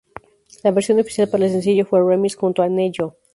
La versión oficial para el sencillo fue el remix junto a Ne-Yo.